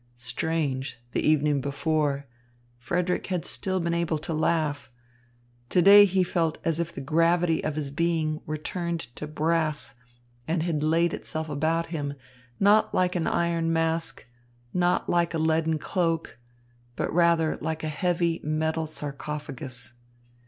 Strange, the evening before, Frederick had still been able to laugh; to day he felt as if the gravity of his being were turned to brass and had laid itself about him, not like an iron mask, not like a leaden cloak, but rather like a heavy metal sarcophagus.